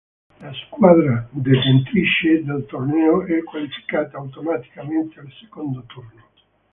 La squadra detentrice del torneo è qualificata automaticamente al secondo turno.